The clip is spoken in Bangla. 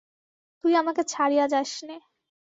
তুই আমাকে ছাড়িয়া যাস নে।